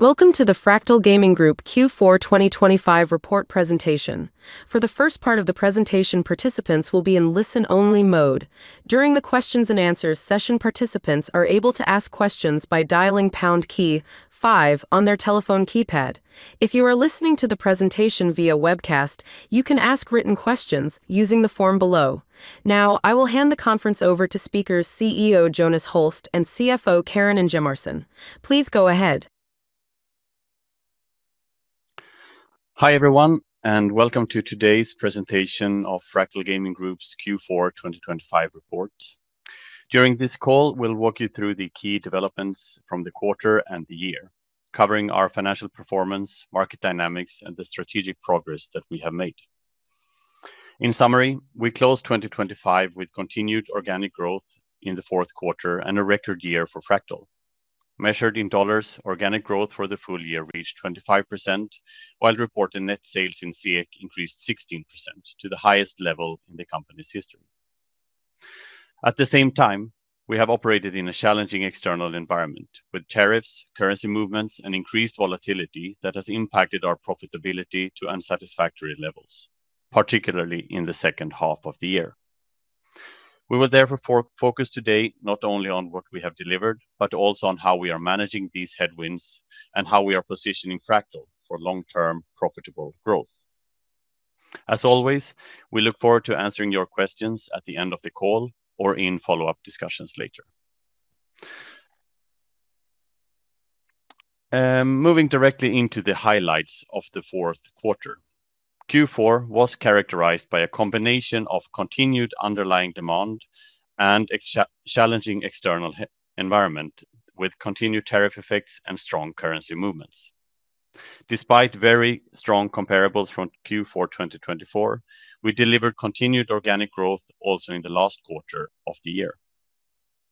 Welcome to the Fractal Gaming Group Q4 2025 report presentation. For the first part of the presentation, participants will be in listen-only mode. During the questions and answers session, participants are able to ask questions by dialing pound key five on their telephone keypad. If you are listening to the presentation via webcast, you can ask written questions using the form below. Now, I will hand the conference over to speakers CEO Jonas Holst and CFO Karin Ingemarson. Please go ahead. Hi, everyone, and welcome to today's presentation of Fractal Gaming Group's Q4 2025 report. During this call, we'll walk you through the key developments from the quarter and the year, covering our financial performance, market dynamics, and the strategic progress that we have made. In summary, we closed 2025 with continued organic growth in the fourth quarter and a record year for Fractal. Measured in dollars, organic growth for the full year reached 25%, while reported net sales in SEK increased 16% to the highest level in the company's history. At the same time, we have operated in a challenging external environment, with tariffs, currency movements, and increased volatility that has impacted our profitability to unsatisfactory levels, particularly in the second half of the year. We will therefore focus today not only on what we have delivered, but also on how we are managing these headwinds and how we are positioning Fractal for long-term profitable growth. As always, we look forward to answering your questions at the end of the call or in follow-up discussions later. Moving directly into the highlights of the fourth quarter. Q4 was characterized by a combination of continued underlying demand and challenging external environment, with continued tariff effects and strong currency movements. Despite very strong comparables from Q4 2024, we delivered continued organic growth also in the last quarter of the year.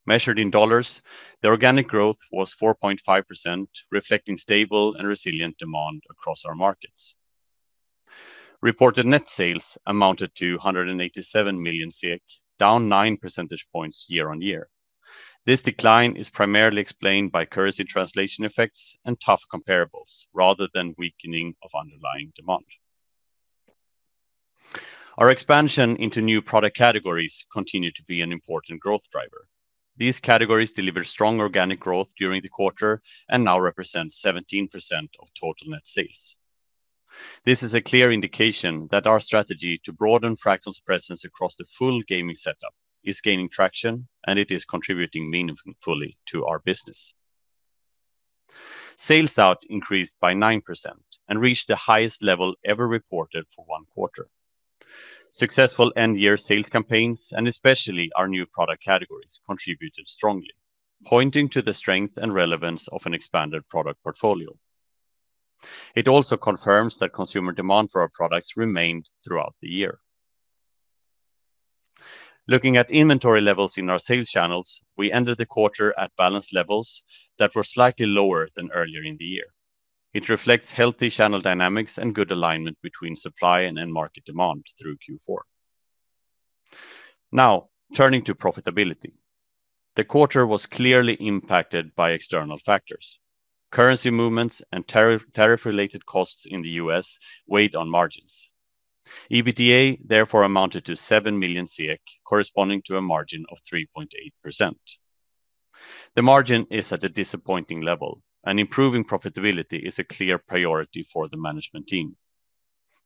Measured in dollars, the organic growth was 4.5%, reflecting stable and resilient demand across our markets. Reported net sales amounted to 187 million SEK, down 9 percentage points year-on-year. This decline is primarily explained by currency translation effects and tough comparables, rather than weakening of underlying demand. Our expansion into new product categories continued to be an important growth driver. These categories delivered strong organic growth during the quarter and now represent 17% of total net sales. This is a clear indication that our strategy to broaden Fractal's presence across the full gaming setup is gaining traction, and it is contributing meaningfully to our business. Sales out increased by 9% and reached the highest level ever reported for one quarter. Successful end-year sales campaigns, and especially our new product categories, contributed strongly, pointing to the strength and relevance of an expanded product portfolio. It also confirms that consumer demand for our products remained throughout the year. Looking at inventory levels in our sales channels, we ended the quarter at balanced levels that were slightly lower than earlier in the year. It reflects healthy channel dynamics and good alignment between supply and end market demand through Q4. Now, turning to profitability. The quarter was clearly impacted by external factors. Currency movements and tariff, tariff-related costs in the US weighed on margins. EBITDA therefore amounted to 7 million, corresponding to a margin of 3.8%. The margin is at a disappointing level, and improving profitability is a clear priority for the management team.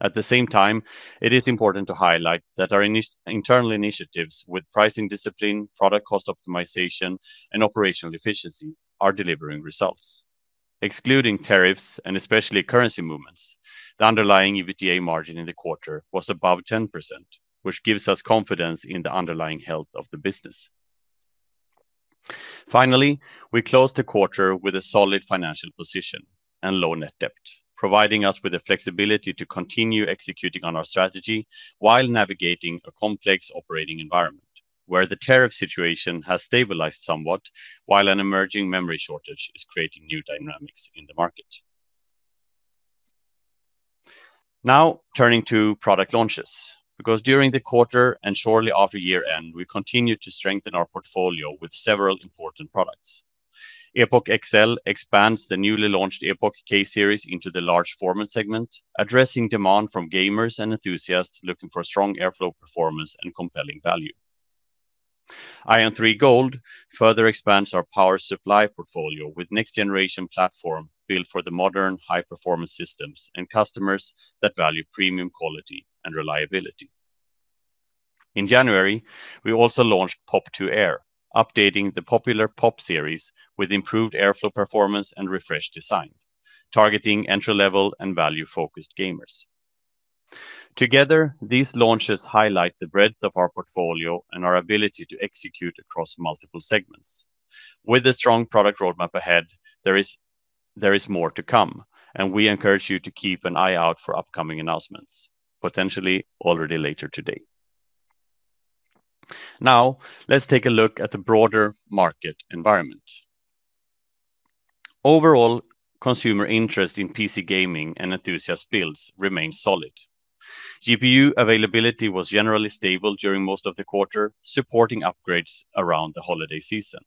At the same time, it is important to highlight that our internal initiatives with pricing discipline, product cost optimization, and operational efficiency are delivering results. Excluding tariffs and especially currency movements, the underlying EBITDA margin in the quarter was above 10%, which gives us confidence in the underlying health of the business. Finally, we closed the quarter with a solid financial position and low net debt, providing us with the flexibility to continue executing on our strategy while navigating a complex operating environment, where the tariff situation has stabilized somewhat, while an emerging memory shortage is creating new dynamics in the market. Now, turning to product launches, because during the quarter and shortly after year-end, we continued to strengthen our portfolio with several important products. Epoch XL expands the newly launched Epoch K Series into the large format segment, addressing demand from gamers and enthusiasts looking for strong airflow performance and compelling value. Ion 3 Gold further expands our power supply portfolio with next generation platform built for the modern high-performance systems and customers that value premium quality and reliability. In January, we also launched Pop 2 Air, updating the popular Pop series with improved airflow performance and refreshed design, targeting entry-level and value-focused gamers. Together, these launches highlight the breadth of our portfolio and our ability to execute across multiple segments. With a strong product roadmap ahead, there is more to come, and we encourage you to keep an eye out for upcoming announcements, potentially already later today. Now, let's take a look at the broader market environment. Overall, consumer interest in PC gaming and enthusiast builds remains solid. GPU availability was generally stable during most of the quarter, supporting upgrades around the holiday season.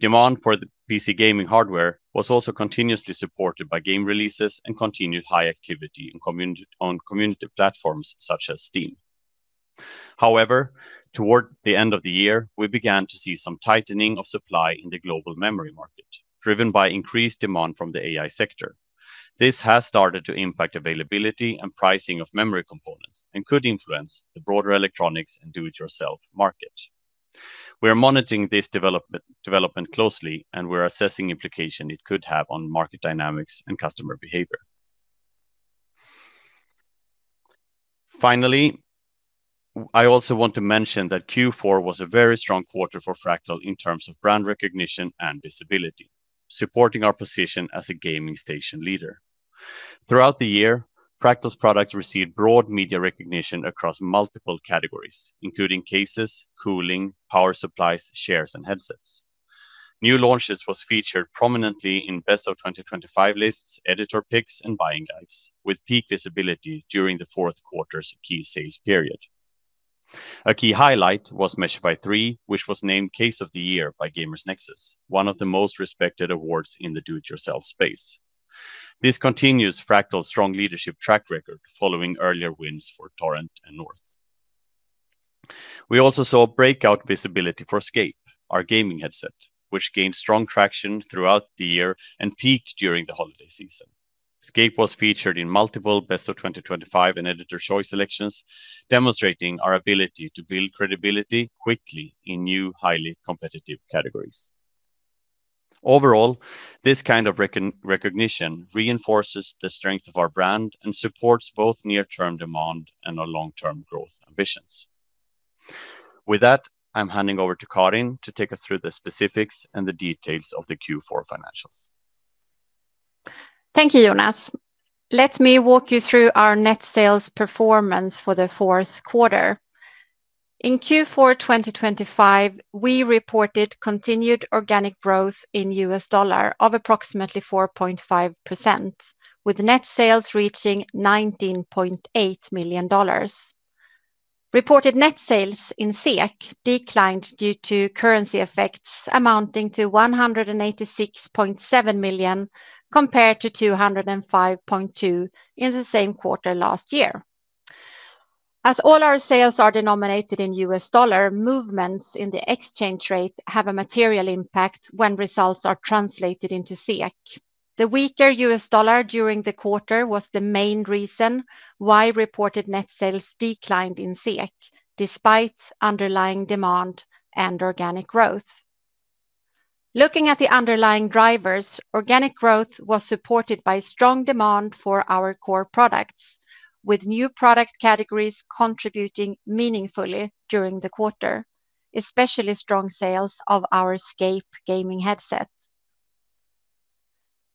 Demand for the PC gaming hardware was also continuously supported by game releases and continued high activity in the community on community platforms such as Steam. However, toward the end of the year, we began to see some tightening of supply in the global memory market, driven by increased demand from the AI sector. This has started to impact availability and pricing of memory components, and could influence the broader electronics and do-it-yourself market. We are monitoring this development closely, and we're assessing implications it could have on market dynamics and customer behavior. Finally, I also want to mention that Q4 was a very strong quarter for Fractal in terms of brand recognition and visibility, supporting our position as a gaming sector leader. Throughout the year, Fractal's products received broad media recognition across multiple categories, including cases, cooling, power supplies, chairs, and headsets. New launches was featured prominently in Best of 2025 lists, editor picks, and buying guides, with peak visibility during the fourth quarter's key sales period. A key highlight was Meshify 3, which was named Case of the Year by GamersNexus, one of the most respected awards in the do-it-yourself space. This continues Fractal's strong leadership track record, following earlier wins for Torrent and North. We also saw breakout visibility for Scape, our gaming headset, which gained strong traction throughout the year and peaked during the holiday season. Scape was featured in multiple Best of 2025 and Editors' Choice selections, demonstrating our ability to build credibility quickly in new, highly competitive categories. Overall, this kind of recognition reinforces the strength of our brand and supports both near-term demand and our long-term growth ambitions. With that, I'm handing over to Karin to take us through the specifics and the details of the Q4 financials. Thank you, Jonas. Let me walk you through our net sales performance for the fourth quarter. In Q4 2025, we reported continued organic growth in US dollar of approximately 4.5%, with net sales reaching $19.8 million. Reported net sales in SEK declined due to currency effects amounting to 186.7 million, compared to 205.2 million in the same quarter last year. As all our sales are denominated in US dollar, movements in the exchange rate have a material impact when results are translated into SEK. The weaker US dollar during the quarter was the main reason why reported net sales declined in SEK, despite underlying demand and organic growth. Looking at the underlying drivers, organic growth was supported by strong demand for our core products, with new product categories contributing meaningfully during the quarter, especially strong sales of our Scape gaming headset.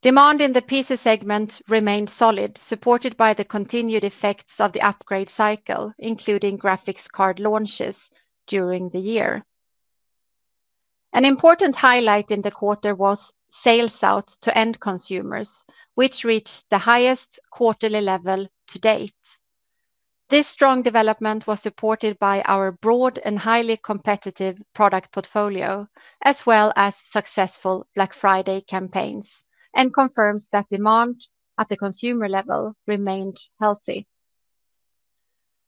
Demand in the PC segment remained solid, supported by the continued effects of the upgrade cycle, including graphics card launches during the year. An important highlight in the quarter was sales out to end consumers, which reached the highest quarterly level to date. This strong development was supported by our broad and highly competitive product portfolio, as well as successful Black Friday campaigns, and confirms that demand at the consumer level remained healthy.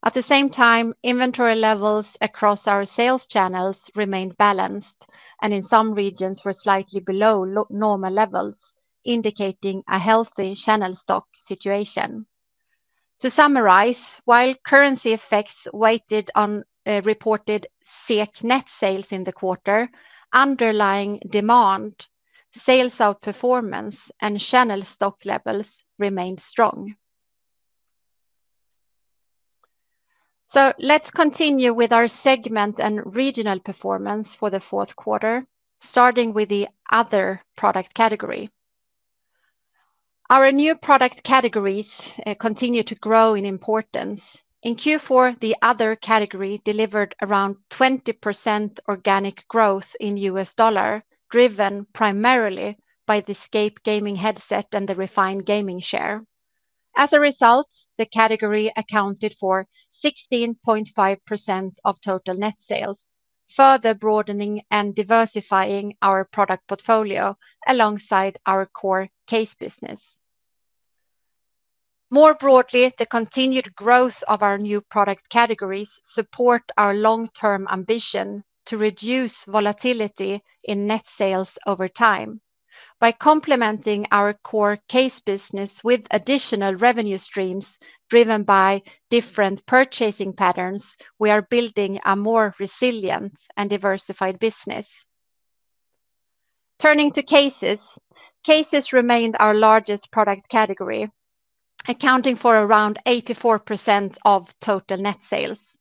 At the same time, inventory levels across our sales channels remained balanced, and in some regions were slightly below low-normal levels, indicating a healthy channel stock situation. To summarize, while currency effects weighed on reported SEK net sales in the quarter, underlying demand, sales outperformance, and channel stock levels remained strong. So let's continue with our segment and regional performance for the fourth quarter, starting with the other product category. Our new product categories continue to grow in importance. In Q4, the other category delivered around 20% organic growth in US dollar, driven primarily by the Scape gaming headset and the Refine gaming chair. As a result, the category accounted for 16.5% of total net sales, further broadening and diversifying our product portfolio alongside our core case business. More broadly, the continued growth of our new product categories support our long-term ambition to reduce volatility in net sales over time. By complementing our core case business with additional revenue streams driven by different purchasing patterns, we are building a more resilient and diversified business. Turning to cases, cases remained our largest product category, accounting for around 84% of total net sales.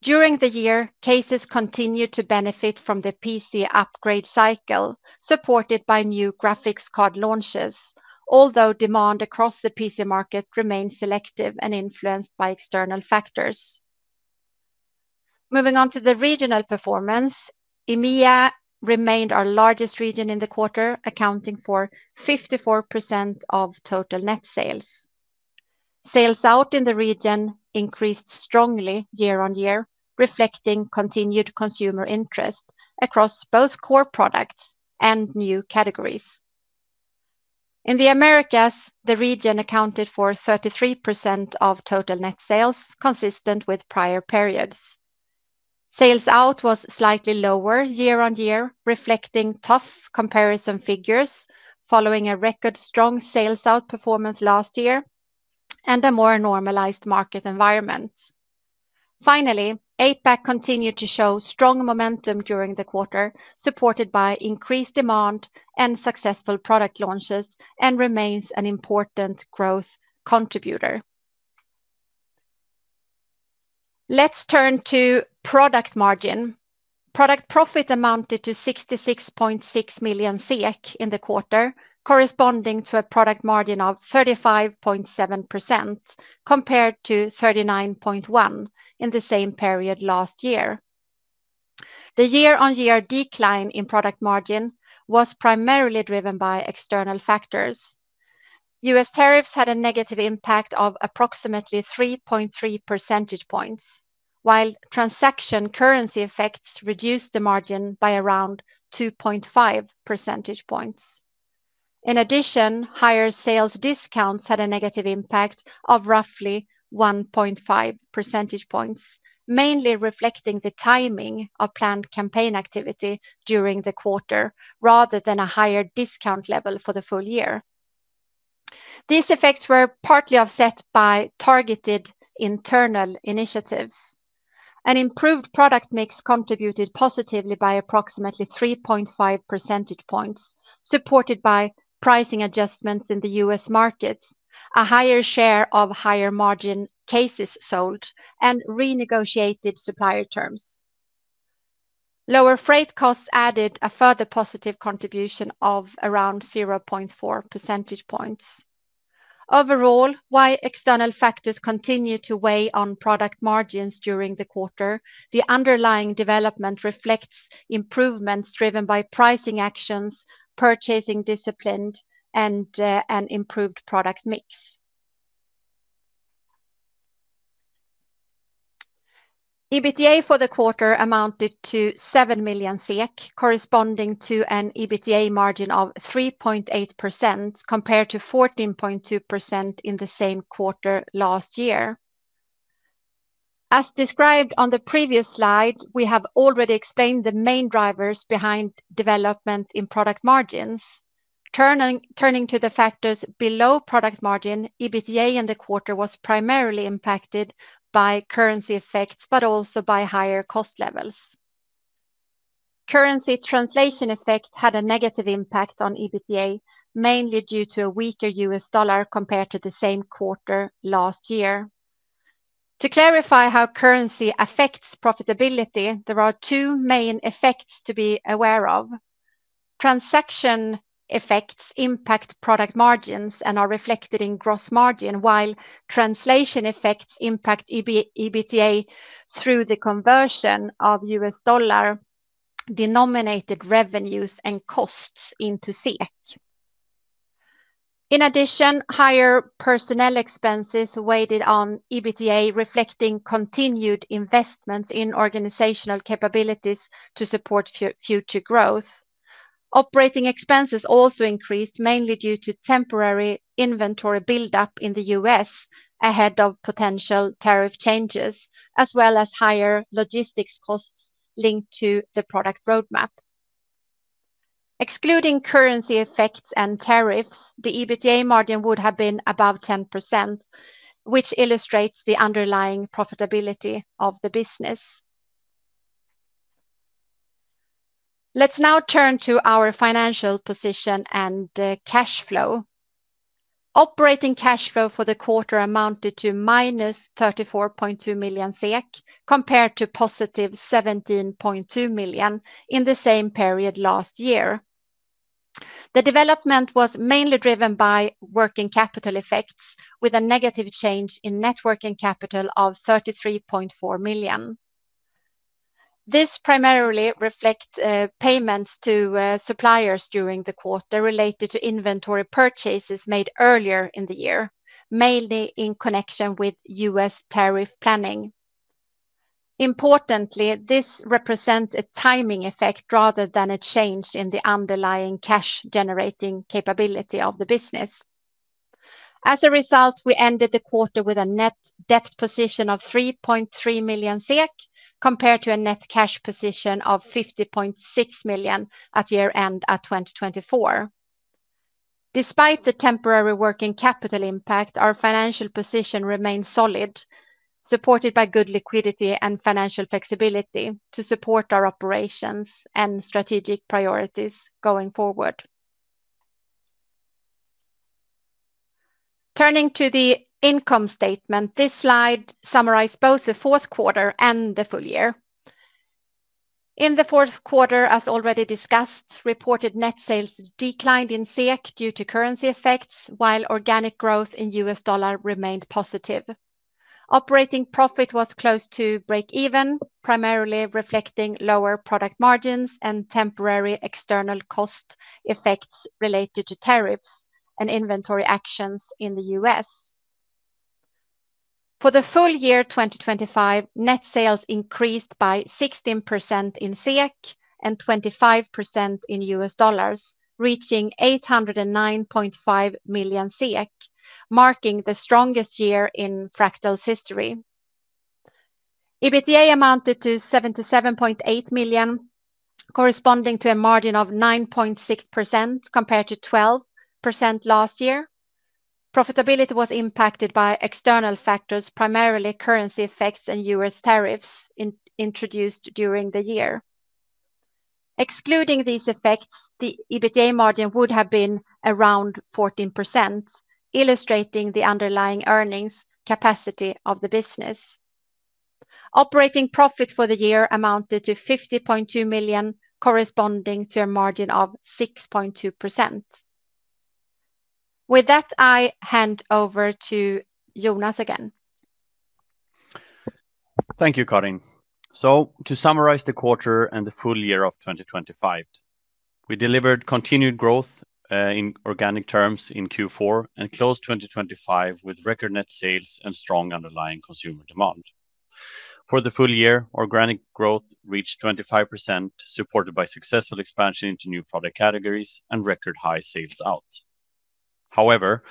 During the year, cases continued to benefit from the PC upgrade cycle, supported by new graphics card launches, although demand across the PC market remains selective and influenced by external factors. Moving on to the regional performance, EMEA remained our largest region in the quarter, accounting for 54% of total net sales. Sales out in the region increased strongly year-on-year, reflecting continued consumer interest across both core products and new categories. In the Americas, the region accounted for 33% of total net sales, consistent with prior periods. Sales out was slightly lower year-on-year, reflecting tough comparison figures, following a record strong Sales out performance last year and a more normalized market environment. Finally, APAC continued to show strong momentum during the quarter, supported by increased demand and successful product launches, and remains an important growth contributor. Let's turn to product margin. Product profit amounted to 66.6 million SEK in the quarter, corresponding to a product margin of 35.7%, compared to 39.1% in the same period last year. The year-on-year decline in product margin was primarily driven by external factors. U.S. tariffs had a negative impact of approximately 3.3 percentage points, while transaction currency effects reduced the margin by around 2.5 percentage points. In addition, higher sales discounts had a negative impact of roughly 1.5 percentage points, mainly reflecting the timing of planned campaign activity during the quarter, rather than a higher discount level for the full year. These effects were partly offset by targeted internal initiatives. An improved product mix contributed positively by approximately 3.5 percentage points, supported by pricing adjustments in the U.S. markets, a higher share of higher margin cases sold, and renegotiated supplier terms. Lower freight costs added a further positive contribution of around 0.4 percentage points. Overall, while external factors continue to weigh on product margins during the quarter, the underlying development reflects improvements driven by pricing actions, purchasing discipline, and an improved product mix. EBITDA for the quarter amounted to 7 million SEK, corresponding to an EBITDA margin of 3.8%, compared to 14.2% in the same quarter last year. As described on the previous slide, we have already explained the main drivers behind development in product margins. Turning to the factors below product margin, EBITDA in the quarter was primarily impacted by currency effects, but also by higher cost levels. Currency translation effect had a negative impact on EBITDA, mainly due to a weaker US dollar compared to the same quarter last year. To clarify how currency affects profitability, there are two main effects to be aware of. Transaction effects impact product margins and are reflected in gross margin, while translation effects impact EBITDA through the conversion of US dollar denominated revenues and costs into SEK. In addition, higher personnel expenses weighed on EBITDA, reflecting continued investments in organizational capabilities to support future growth. Operating expenses also increased, mainly due to temporary inventory buildup in the US, ahead of potential tariff changes, as well as higher logistics costs linked to the product roadmap. Excluding currency effects and tariffs, the EBITDA margin would have been above 10%, which illustrates the underlying profitability of the business. Let's now turn to our financial position and cash flow. Operating cash flow for the quarter amounted to -34.2 million SEK, compared to +17.2 million in the same period last year. The development was mainly driven by working capital effects, with a negative change in net working capital of 33.4 million. This primarily reflects payments to suppliers during the quarter, related to inventory purchases made earlier in the year, mainly in connection with U.S. tariff planning. Importantly, this represents a timing effect, rather than a change in the underlying cash-generating capability of the business. As a result, we ended the quarter with a net debt position of 3.3 million SEK, compared to a net cash position of 50.6 million at year-end 2024. Despite the temporary working capital impact, our financial position remains solid, supported by good liquidity and financial flexibility to support our operations and strategic priorities going forward. Turning to the income statement, this slide summarizes both the fourth quarter and the full year. In the fourth quarter, as already discussed, reported net sales declined in SEK due to currency effects, while organic growth in US dollar remained positive. Operating profit was close to breakeven, primarily reflecting lower product margins and temporary external cost effects related to tariffs and inventory actions in the U.S. For the full year 2025, net sales increased by 16% in SEK and 25% in US dollars, reaching 809.5 million SEK, marking the strongest year in Fractal's history. EBITDA amounted to 77.8 million, corresponding to a margin of 9.6% compared to 12% last year. Profitability was impacted by external factors, primarily currency effects and U.S. tariffs introduced during the year. Excluding these effects, the EBITDA margin would have been around 14%, illustrating the underlying earnings capacity of the business. Operating profit for the year amounted to 50.2 million, corresponding to a margin of 6.2%. With that, I hand over to Jonas again. Thank you, Karin. So to summarize the quarter and the full year of 2025, we delivered continued growth in organic terms in Q4 and closed 2025 with record net sales and strong underlying consumer demand. For the full year, organic growth reached 25%, supported by successful expansion into new product categories and record high sales out. However,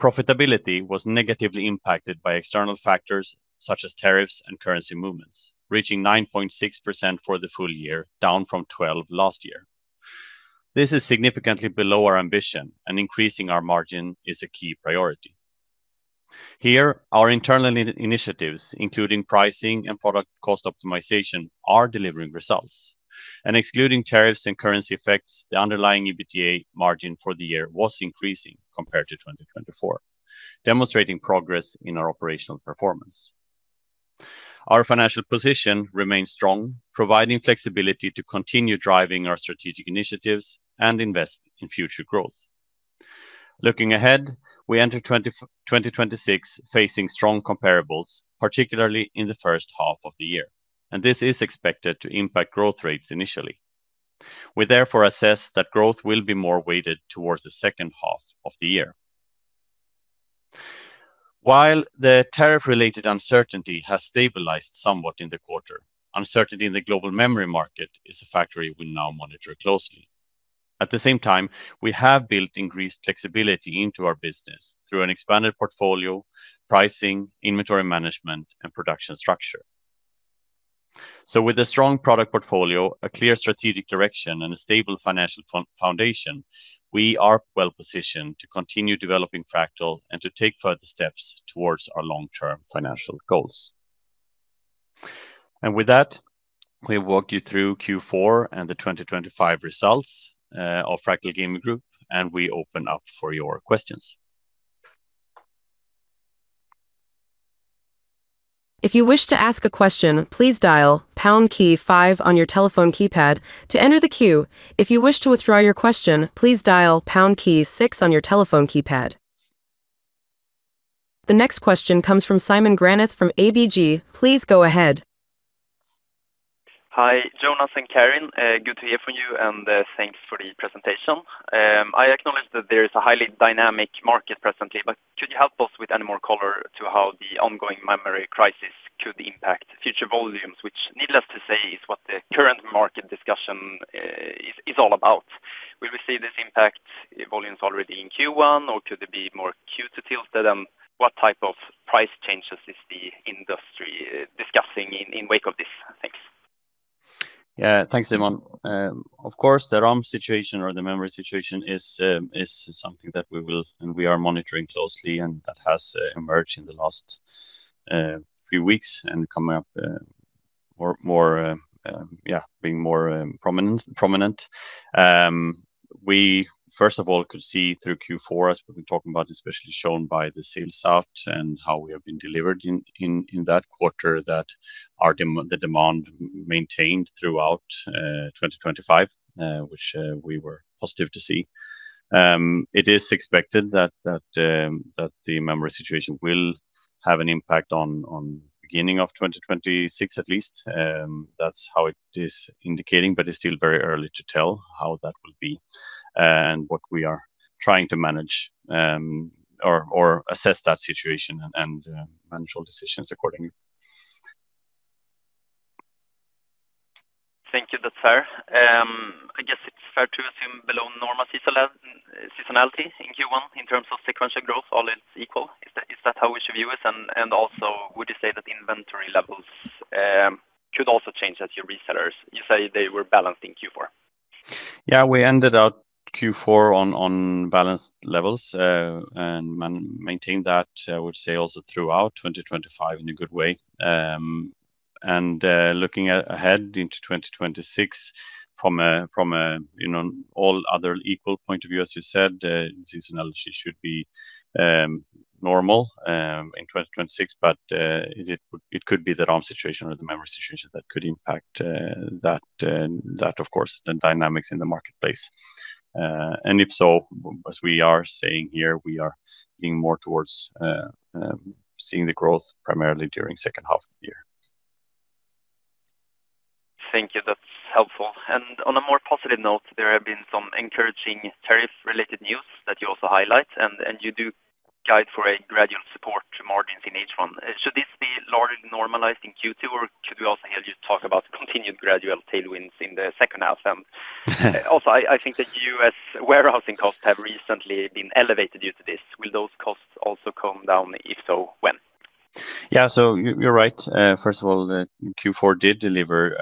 profitability was negatively impacted by external factors such as tariffs and currency movements, reaching 9.6% for the full year, down from 12% last year. This is significantly below our ambition, and increasing our margin is a key priority. Here, our internal initiatives, including pricing and product cost optimization, are delivering results. And excluding tariffs and currency effects, the underlying EBITDA margin for the year was increasing compared to 2024, demonstrating progress in our operational performance. Our financial position remains strong, providing flexibility to continue driving our strategic initiatives and invest in future growth. Looking ahead, we enter 2026 facing strong comparables, particularly in the first half of the year, and this is expected to impact growth rates initially. We therefore assess that growth will be more weighted towards the second half of the year. While the tariff-related uncertainty has stabilized somewhat in the quarter, uncertainty in the global memory market is a factor we now monitor closely. At the same time, we have built increased flexibility into our business through an expanded portfolio, pricing, inventory management, and production structure. So with a strong product portfolio, a clear strategic direction, and a stable financial foundation, we are well positioned to continue developing Fractal and to take further steps towards our long-term financial goals. With that, we've walked you through Q4 and the 2025 results of Fractal Gaming Group, and we open up for your questions. If you wish to ask a question, please dial pound key five on your telephone keypad to enter the queue. If you wish to withdraw your question, please dial pound key six on your telephone keypad. The next question comes from Simon Granath from ABG. Please go ahead. Hi, Jonas and Karin. Good to hear from you, and thanks for the presentation. I acknowledge that there is a highly dynamic market presently, but could you help us with any more color to how the ongoing memory crisis could impact future volumes, which needless to say, is what the current market discussion is all about? Will we see this impact volumes already in Q1, or could it be more Q2 tilted? What type of price changes is the industry discussing in wake of this? Thanks. Yeah. Thanks, Simon. Of course, the RAM situation or the memory situation is something that we will and we are monitoring closely, and that has emerged in the last few weeks and coming up more, more, being more prominent. We, first of all, could see through Q4, as we've been talking about, especially shown by the sales out and how we have been delivered in that quarter, that the demand maintained throughout 2025, which we were positive to see. It is expected that the memory situation will have an impact on beginning of 2026 at least. That's how it is indicating, but it's still very early to tell how that will be, and what we are trying to manage, or assess that situation and manage all decisions accordingly. Thank you. That's fair. I guess it's fair to assume below normal seasonality in Q1 in terms of sequential growth, all else equal. Is that how we should view it? And also, would you say that the inventory levels should also change at your resellers? You say they were balanced in Q4. Yeah, we ended out Q4 on balanced levels and maintained that, I would say also throughout 2025 in a good way. And looking ahead into 2026 from a, from a you know, all other equal point of view, as you said, seasonality should be normal in 2026. But it could be the RAM situation or the memory situation that could impact that of course the dynamics in the marketplace. And if so, as we are saying here, we are leaning more towards seeing the growth primarily during second half of the year. Thank you. That's helpful. And on a more positive note, there have been some encouraging tariff-related news that you also highlight, and you do guide for a gradual support to margins in H1. Should this be largely normalized in Q2, or could we also hear you talk about continued gradual tailwinds in the second half? Also, I think the U.S. warehousing costs have recently been elevated due to this. Will those costs also come down? If so, when? Yeah, so you're right. First of all, the Q4 did deliver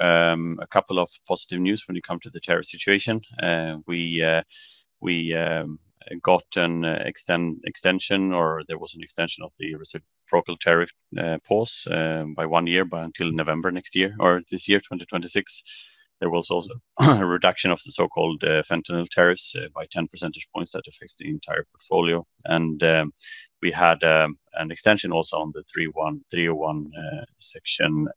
a couple of positive news when it come to the tariff situation. We got an extension, or there was an extension of the reciprocal tariff pause by one year until November 2026. There was also a reduction of the so-called fentanyl tariffs by 10 percentage points that affects the entire portfolio. And we had an extension also on the Section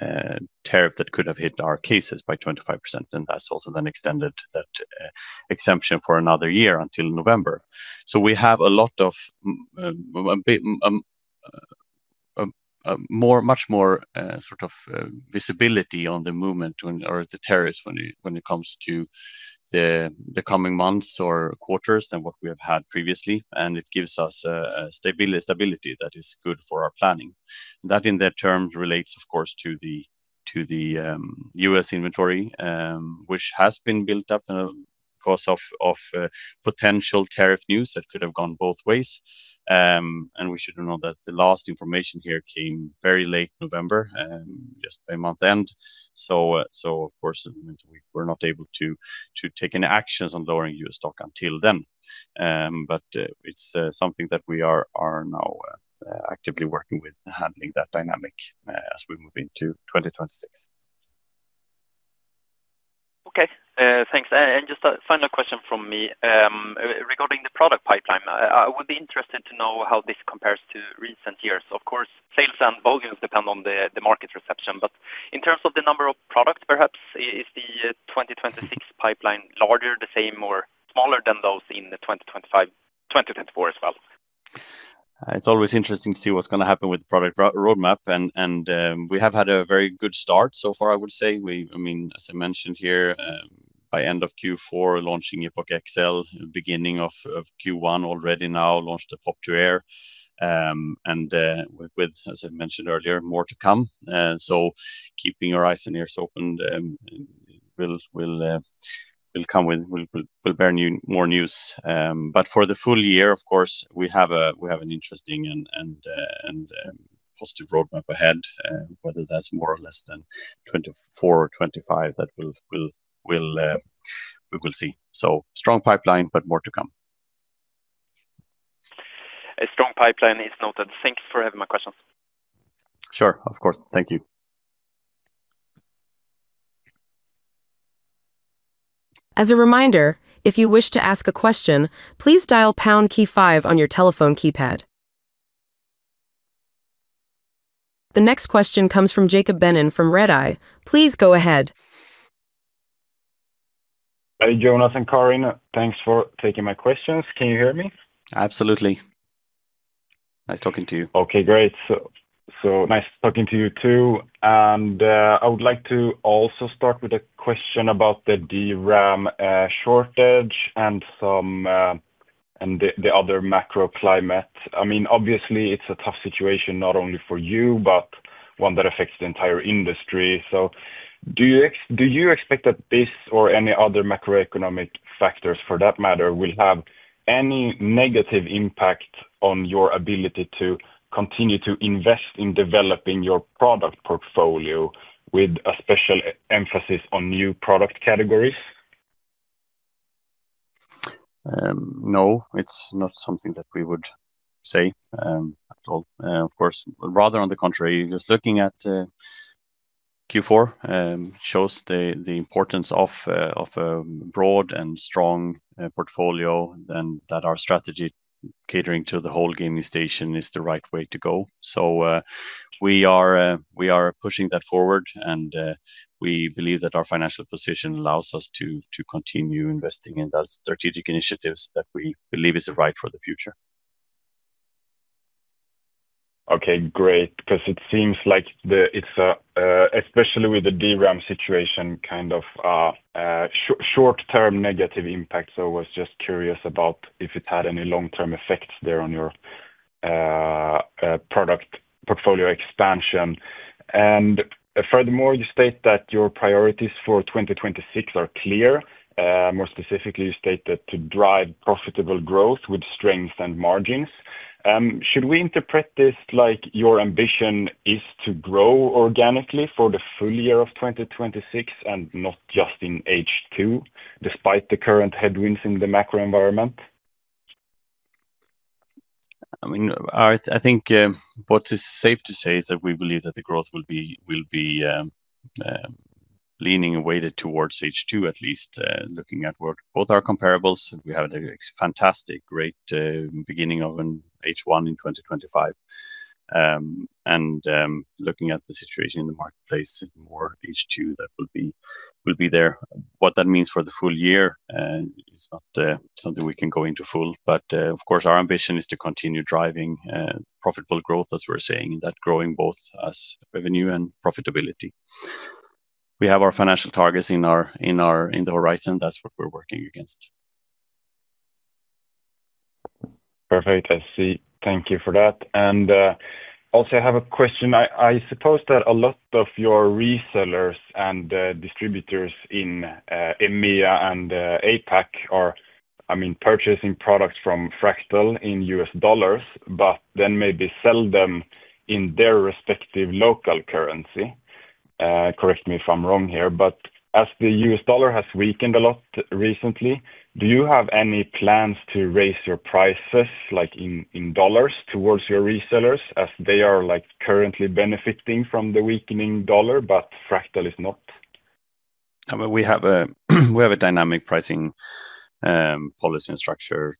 301 tariff that could have hit our cases by 25%, and that's also then extended that exemption for another year until November. So we have a lot of a bit more much more sort of visibility on the movement when or the tariffs when it comes to the coming months or quarters than what we have had previously, and it gives us a stability that is good for our planning. That, in that terms, relates, of course, to the US inventory, which has been built up because of potential tariff news that could have gone both ways. And we should know that the last information here came very late November, just by month end. So of course, we were not able to take any actions on lowering U.S. stock until then. But it's something that we are now actively working with, handling that dynamic as we move into 2026. Okay. Thanks. And just a final question from me. Regarding the product pipeline, I would be interested to know how this compares to recent years. Of course, sales and volumes depend on the market reception, but in terms of the number of products, perhaps is the 2026 pipeline larger, the same, or smaller than those in the 2025, 2024 as well? It's always interesting to see what's gonna happen with the product roadmap, and we have had a very good start so far, I would say. I mean, as I mentioned here, by end of Q4, launching Epoch XL, beginning of Q1 already now launched the Pop 2 Air. And with, as I mentioned earlier, more to come. So keeping our eyes and ears open, we'll come with—we'll bring more news. But for the full year, of course, we have an interesting and positive roadmap ahead. Whether that's more or less than 2024 or 2025, that we'll see. So strong pipeline, but more to come. A strong pipeline is noted. Thank you for having my questions. Sure. Of course. Thank you. As a reminder, if you wish to ask a question, please dial pound key five on your telephone keypad. The next question comes from Jacob Benon from Redeye. Please go ahead. Hi, Jonas and Karin. Thanks for taking my questions. Can you hear me? Absolutely. Nice talking to you. Okay, great. So, so nice talking to you, too. And, I would like to also start with a question about the DRAM shortage and some and the other macroclimate. I mean, obviously, it's a tough situation, not only for you, but one that affects the entire industry. So do you expect that this or any other macroeconomic factors, for that matter, will have any negative impact on your ability to continue to invest in developing your product portfolio with a special emphasis on new product categories? No, it's not something that we would say at all. Of course, rather on the contrary, just looking at Q4 shows the importance of a broad and strong portfolio, and that our strategy catering to the whole gaming station is the right way to go. So, we are pushing that forward, and we believe that our financial position allows us to continue investing in those strategic initiatives that we believe is right for the future. Okay, great. Because it seems like it's a, especially with the DRAM situation, kind of, a short-term negative impact. So I was just curious about if it had any long-term effects there on your product portfolio expansion. And furthermore, you state that your priorities for 2026 are clear. More specifically, you state that to drive profitable growth with strength and margins. Should we interpret this like your ambition is to grow organically for the full year of 2026 and not just in H2, despite the current headwinds in the macro environment? I mean, I think what is safe to say is that we believe that the growth will be leaning and weighted towards H2, at least, looking at both our comparables we have a fantastic great beginning of an H1 in 2025. And looking at the situation in the marketplace, more H2 that will be there. What that means for the full year is not something we can go into full, but of course, our ambition is to continue driving profitable growth, as we're saying, that growing both as revenue and profitability. We have our financial targets in the horizon. That's what we're working against. Perfect. I see. Thank you for that. Also, I have a question. I suppose that a lot of your resellers and distributors in EMEA and APAC are, I mean, purchasing products from Fractal in US dollars, but then maybe sell them in their respective local currency. Correct me if I'm wrong here, but as the US dollar has weakened a lot recently, do you have any plans to raise your prices, like in dollars, towards your resellers, as they are, like, currently benefiting from the weakening dollar, but Fractal is not? I mean, we have a dynamic pricing policy and structure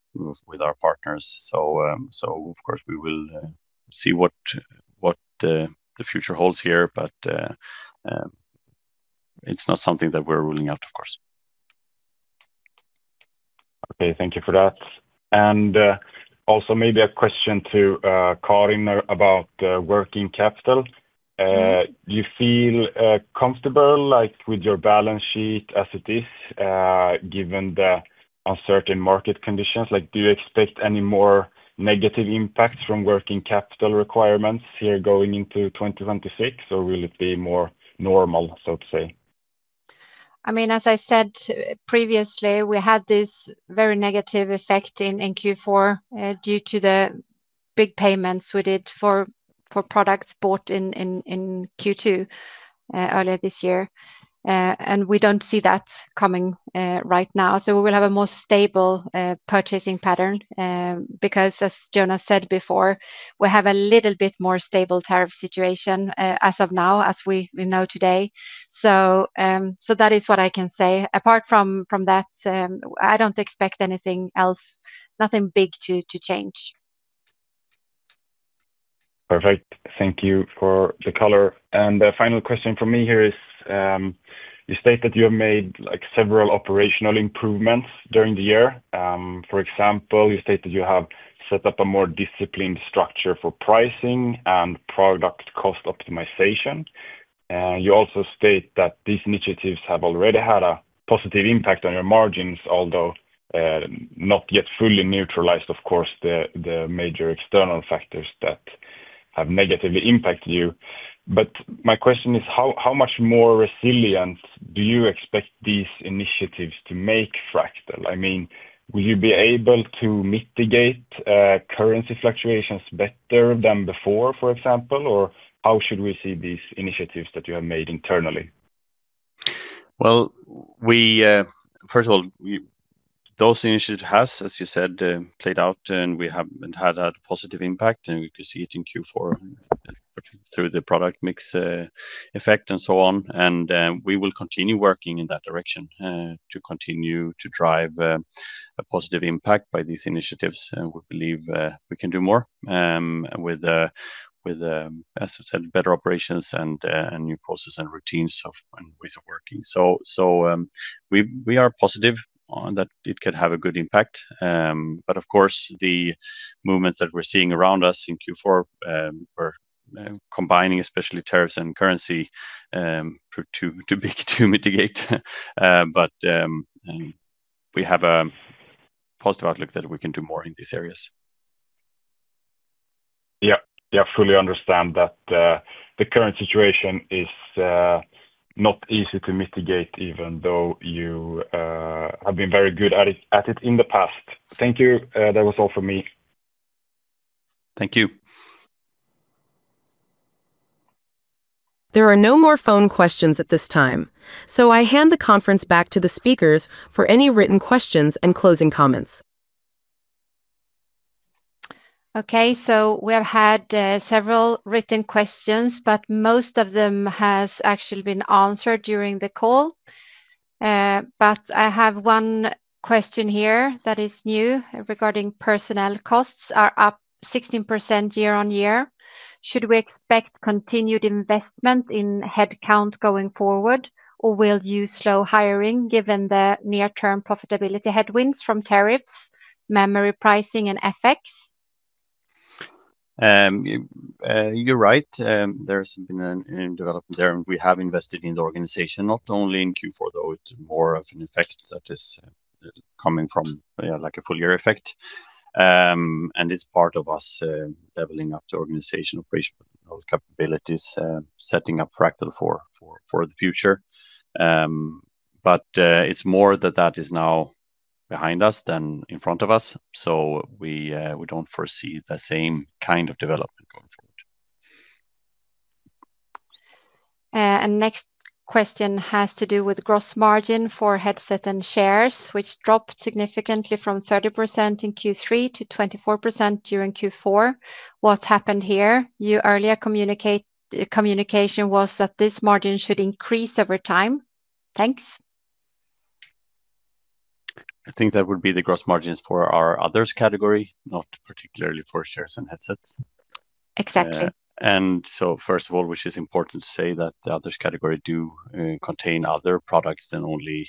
with our partners. So, of course, we will see what the future holds here. But, it's not something that we're ruling out, of course. Okay, thank you for that. And, also maybe a question to Karin about working capital. Mm-hmm. Do you feel comfortable, like, with your balance sheet as it is, given the uncertain market conditions? Like, do you expect any more negative impact from working capital requirements here going into 2026, or will it be more normal, so to say? I mean, as I said previously, we had this very negative effect in Q4 due to the big payments we did for products bought in Q2 earlier this year. And we don't see that coming right now, so we will have a more stable purchasing pattern because as Jonas said before, we have a little bit more stable tariff situation as of now, as we know today. So, so that is what I can say. Apart from that, I don't expect anything else, nothing big to change. Perfect. Thank you for the color. And the final question from me here is, you state that you have made, like, several operational improvements during the year. For example, you state that you have set up a more disciplined structure for pricing and product cost optimization. You also state that these initiatives have already had a positive impact on your margins, although, not yet fully neutralized, of course, the major external factors that have negatively impacted you. But my question is, how much more resilient do you expect these initiatives to make Fractal? I mean, will you be able to mitigate currency fluctuations better than before, for example? Or how should we see these initiatives that you have made internally? Well, first of all, those initiatives has, as you said, played out, and we have had a positive impact, and we could see it in Q4 through the product mix effect, and so on. And we will continue working in that direction to continue to drive a positive impact by these initiatives. And we believe we can do more with, with, as I said, better operations and, and new process and routines of, and ways of working. So we are positive on that it could have a good impact. But of course, the movements that we're seeing around us in Q4 were combining, especially tariffs and currency, too big to mitigate. But we have a positive outlook that we can do more in these areas. Yeah. Yeah, fully understand that the current situation is not easy to mitigate, even though you have been very good at it in the past. Thank you. That was all for me. Thank you. There are no more phone questions at this time, so I hand the conference back to the speakers for any written questions and closing comments. Okay, so we have had several written questions, but most of them has actually been answered during the call. But I have one question here that is new regarding personnel costs are up 16% year-on-year. Should we expect continued investment in head count going forward, or will you slow hiring given the near-term profitability headwinds from tariffs, memory pricing, and FX? You're right. There's been a development there, and we have invested in the organization, not only in Q4, though. It's more of an effect that is coming from, like a full year effect. And it's part of us leveling up the organization operational capabilities, setting up Fractal for the future. But it's more that that is now behind us than in front of us, so we don't foresee the same kind of development going forward. Next question has to do with gross margin for headset and chairs, which dropped significantly from 30% in Q3 to 24% during Q4. What's happened here? You earlier communication was that this margin should increase over time. Thanks. I think that would be the gross margins for our others category, not particularly for chairs and headsets. Exactly. And so first of all, which is important to say, that the others category do contain other products than only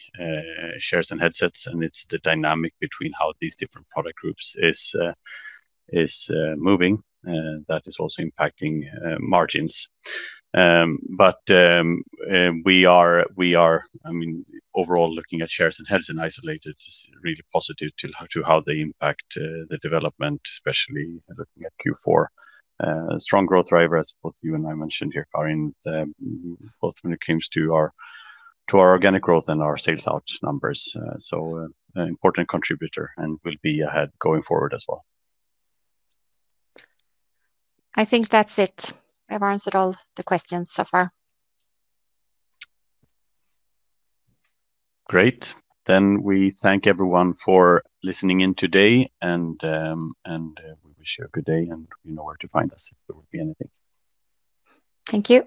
chairs and headsets, and it's the dynamic between how these different product groups is moving that is also impacting margins. But we are, I mean, overall, looking at chairs and headsets in isolation, it's really positive to how they impact the development, especially looking at Q4. Strong growth driver, as both you and I mentioned here, Karin, both when it comes to our organic growth and our sales out numbers. So an important contributor and will be ahead going forward as well. I think that's it. I've answered all the questions so far. Great. Then we thank everyone for listening in today, and we wish you a good day, and you know where to find us if there would be anything. Thank you.